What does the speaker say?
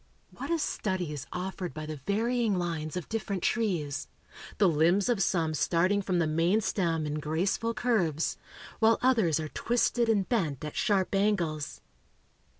What a study is offered by the varying lines of different trees the limbs of some starting from the main stem in graceful curves, while others are twisted and bent at sharp angles.